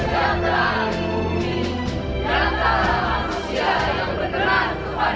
dan kemah hati hati yang terlalu kumi